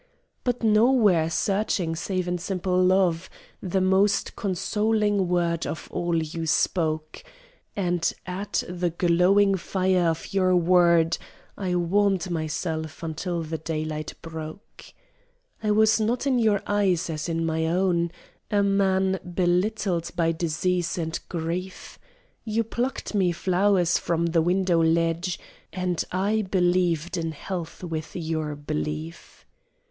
But, nowhere searching save in simple love, The most consoling word of all you spoke; And at the glowing fire of your word I warmed myself until the daylight broke. I was not in your eyes, as in my own, A man belittled by disease and grief; You plucked me flowers from the window ledge, And I believed in health with your belief.